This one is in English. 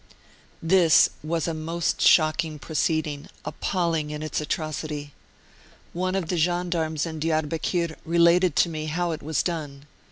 This was a most shocking proceeding, appalling in its atrocity. One of the gendarmes in Diarbekir related to me how it was done.